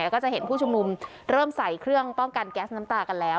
ก็จะเห็นผู้ชุมนุมเริ่มใส่เครื่องป้องกันแก๊สน้ำตากันแล้ว